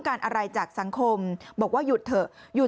ก็มันไม่ใช่มันขนระมวลกันเลยอะ